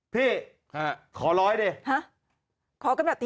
พี่